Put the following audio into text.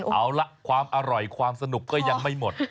เอาละความอร่อยความสนุกก็ยังไม่หมด